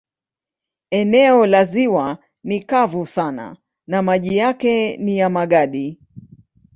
Eneo la ziwa ni kavu sana na maji yake ni ya magadi.